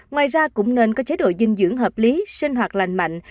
ngoài ra cũng nên có chế độ dinh dưỡng hợp lý sinh hoạt lành mạnh